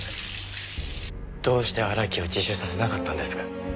どうして荒木を自首させなかったんですか？